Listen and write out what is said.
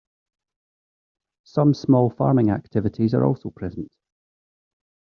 Some small farming activities are also present.